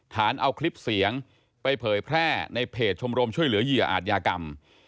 ฐานเอาคลิปเสียงไปเผยแพร่ในเพจชมรมช่วยเหลือเหยื่ออาจยากรรม